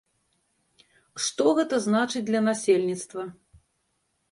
Што гэта значыць для насельніцтва?